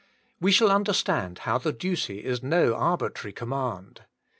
We shall understand how the duty is no arbitrary com mand.